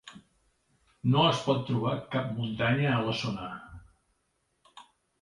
No es pot trobar cap muntanya a la zona.